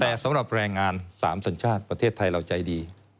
แต่สำหรับแรงงาน๓สัญชาติประเทศไทยเราใจดี